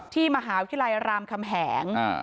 ที่มหาวิทยาลัยรามคำแหง